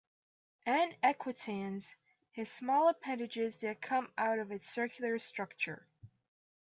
"N. equitans" has small appendages that come out of its circular structure.